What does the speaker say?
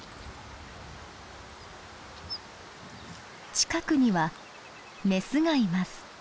近くにはメスがいます。